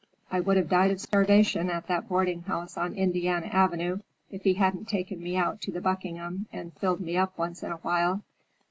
I would have died of starvation at that boarding house on Indiana Avenue if he hadn't taken me out to the Buckingham and filled me up once in a while.